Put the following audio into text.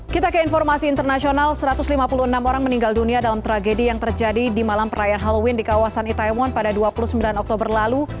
kita ke informasi internasional satu ratus lima puluh enam orang meninggal dunia dalam tragedi yang terjadi di malam perayaan halloween di kawasan itaewon pada dua puluh sembilan oktober lalu